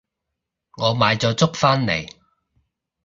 我買咗粥返嚟